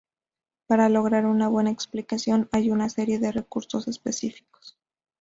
Para lograr una buena explicación, hay una serie de recursos específicos.